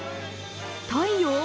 太陽？